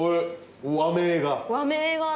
和名が？